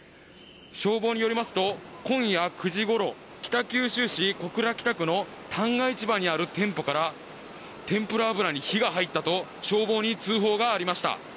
消防によりますと、今夜９時ごろ北九州市小倉北区の旦過市場にある店舗から天ぷら油に火が入ったと消防に通報がありました。